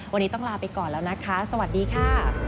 วันนี้ต้องลาไปก่อนแล้วนะคะสวัสดีค่ะ